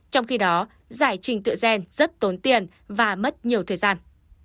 trong khi đó giải trình tự gen rất tốn tiền và mất nhiều thời gian